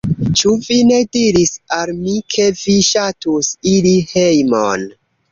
Ĉu vi ne diris al mi, ke vi ŝatus iri hejmon?